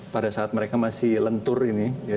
pada saat mereka masih lentur ini